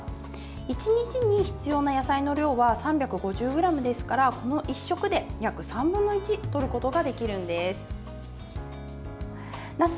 １日に必要な野菜の量は３５０ｇですからこの１食で、約３分の１とることができるんです。